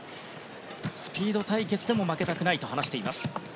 スピード対決でも負けたくないと話しています。